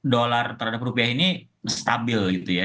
dolar terhadap rupiah ini stabil gitu ya